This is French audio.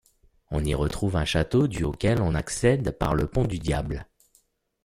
On y retrouve un château du auquel on accède par le pont du Diable.